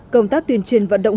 công tác tuyên truyền vận động